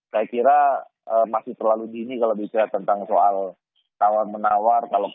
saya kira masih terlalu dini kalau bicara tentang soal tawar menawar